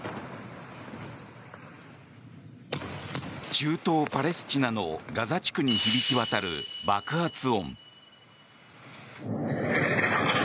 中東パレスチナにガザ地区に響き渡る爆発音。